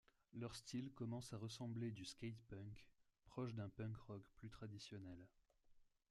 Leur style commence à ressembler du skate punk, proche d'un punk rock plus traditionnel.